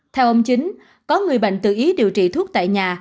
theo ông chính có người bệnh tự ý điều trị thuốc tại nhà